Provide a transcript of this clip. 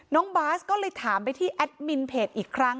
น้องบาสก็เลยถามไปที่แอดมินเพจอีกครั้ง